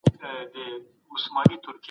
زغم له بې صبرۍ څخه غوره دی.